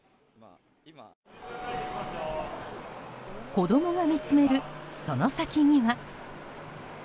子供が見つめるその先には。